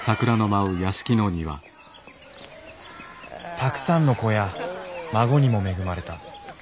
たくさんの子や孫にも恵まれた。